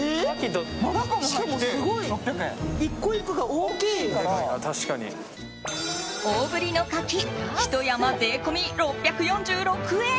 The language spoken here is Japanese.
大ぶりの柿、ひと山税込み６４６円。